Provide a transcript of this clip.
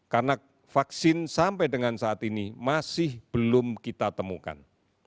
karena vaksin sampai dengan saat ini masih belum kita temukan